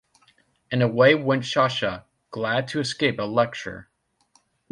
And away went Sasha, glad to escape a lecture.